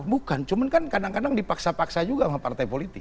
bukan cuma kan kadang kadang dipaksa paksa juga sama partai politik